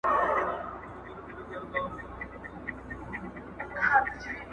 سردارانو يو د بل وهل سرونه؛